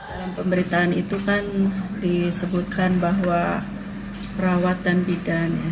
dalam pemberitaan itu kan disebutkan bahwa perawat dan bidan ya